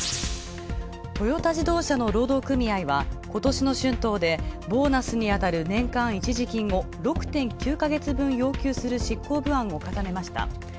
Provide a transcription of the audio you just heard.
トヨタ自動車の労働組合は、今年の春闘でボーナスにあたる年間一時金を６．９か月分要求する執行部案を固めました。